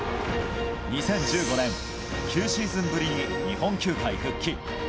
２０１５年、９シーズンぶりに日本球界復帰。